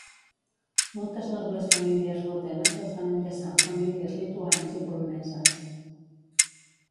Moltes nobles famílies rutenes es van enllaçar amb famílies lituanes i poloneses.